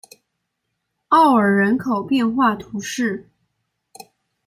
奥尔人口变化图示